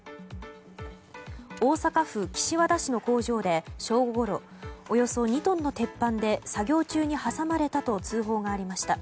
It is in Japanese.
大阪府岸和田市の工場で正午ごろおよそ２トンの鉄板で作業中に挟まれたと通報がありました。